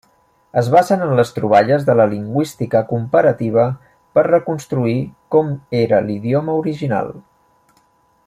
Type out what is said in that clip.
Es basen en les troballes de la lingüística comparativa per reconstruir com era l'idioma original.